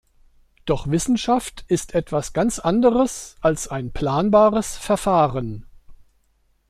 Doch Wissenschaft ist etwas ganz anderes als ein planbares Verfahren.